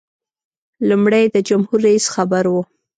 لومړی د جمهور رئیس خبر و.